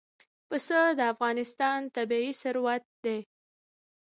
پسه د افغانستان طبعي ثروت دی.